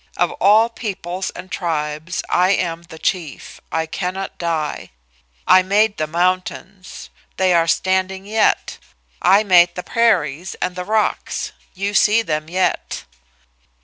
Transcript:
Of all peoples and tribes I am the chief. I cannot die. I made the mountains; they are standing yet. I made the prairies and the rocks; you see them yet.